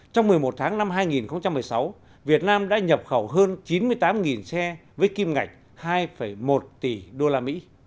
trong một mươi một tháng năm hai nghìn một mươi sáu việt nam đã nhập khẩu hơn chín mươi tám xe với kim ngạch hai một tỷ usd